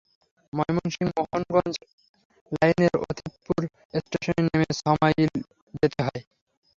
ময়মনসিংহ-মোহনগঞ্জ লাইনের অতিথপুর ষ্টেশনে নেমে ছমাইল যেতে হয়।